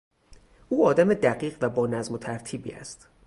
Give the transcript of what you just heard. او آدم دقیق و با نظم و ترتیبی است.